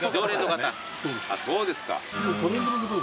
そうですか。